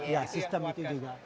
ya sistem itu juga